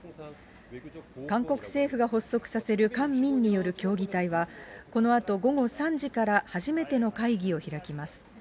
韓国政府が発足させる官民による協議体は、このあと午後３時から初めての会議を開きます。